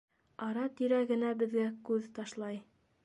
Ара-тирә генә беҙгә күҙ ташлай.